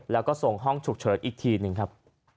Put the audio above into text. แล้วก็ส่งห้องฉุกเฉินอีกทีหนึ่งครับ